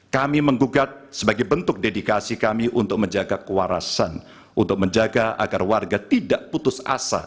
kami menggugat sebagai bentuk dedikasi kami untuk menjaga kewarasan untuk menjaga agar warga tidak putus asa